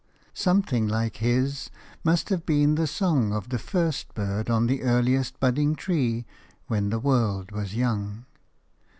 Something like his must have been the song of the first bird on the earliest budding tree when the world was young.